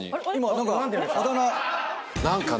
何かね